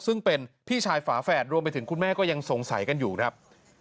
ซึ่งเป็นพี่ชายฝาแฝดรวมไปถึงคุณแม่ก็ยังสงสัยกันอยู่ครับ